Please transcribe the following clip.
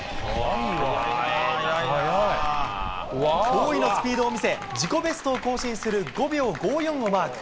驚異のスピードを見せ、自己ベストを更新する５秒５４をマーク。